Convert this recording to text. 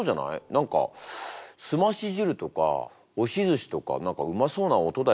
何かすまし汁とか押しずしとか何かうまそうな音だよね。